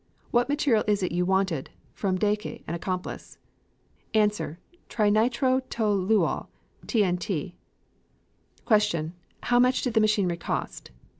What material is it you wanted (from Daeche, an accomplice)? A. Trinitrotoluol (T. N. T.). ... Q. How much did the machinery cost?